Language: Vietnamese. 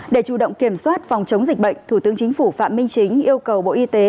để chủ động kiểm soát phòng chống dịch bệnh thủ tướng chính phủ phạm minh chính yêu cầu bộ y tế